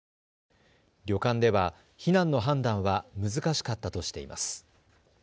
旅館では避難の判断は難しかったとしています。